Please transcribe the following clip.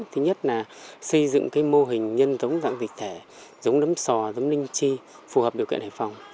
thứ nhất là xây dựng mô hình nhân giống dạng dịch thể giống nấm sò giống linh chi phù hợp điều kiện hải phòng